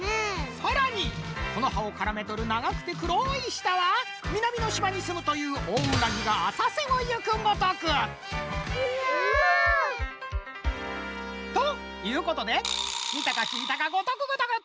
さらにこのはをからめとるながくてくろいしたはみなみのしまにすむといううわ！ということでみたかきいたかごとくごとく！